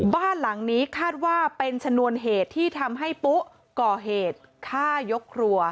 บ้านหลังนี้คาดว่าเป็นชนวนเหตุที่ทำให้ปุ๊ก่อเหตุฆ่ายกครัว